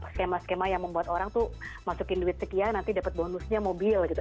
skema skema yang membuat orang tuh masukin duit sekian nanti dapat bonusnya mobil gitu